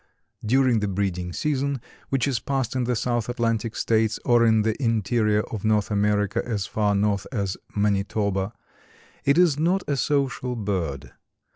During the breeding season, which is passed in the South Atlantic States or in the interior of North America as far north as Manitoba, it is not a social bird.